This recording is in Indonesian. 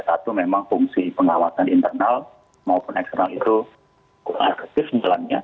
satu memang fungsi pengawasan internal maupun eksternal itu kurang efektif sebenarnya